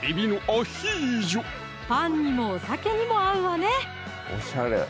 パンにもお酒にも合うわね！